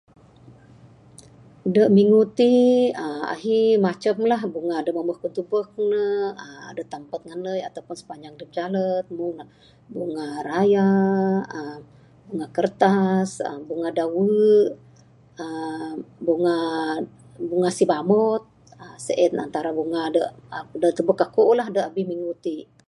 De minggu ti ahi macam lah bunga da mombeh ku tubek ne, da tampat nganai ato pun sepanjang jalan. Bunga raya [em] bunga kertas, [em],bunga dawe aaa bunga, bunga sibamot. Sien antara bunga da tubek aku lah da abih minggu ti.